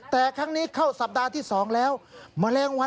แต่ครั้งนี้เข้าสัปดาห์ที่๒แล้ว